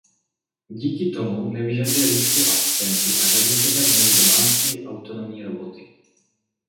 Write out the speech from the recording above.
Díky tomu nevyžaduje lidskou asistenci a řadí se tak mezi domácí autonomní roboty.